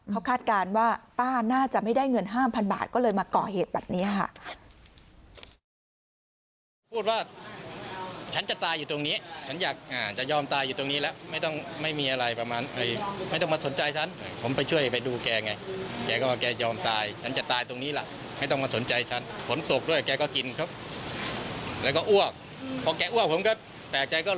เขาคาดการณ์ว่าป้าน่าจะไม่ได้เงิน๕๐๐บาทก็เลยมาก่อเหตุแบบนี้ค่ะ